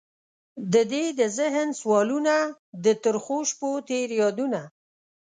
ددې د ذهن سوالونه، د ترخوشپوتیر یادونه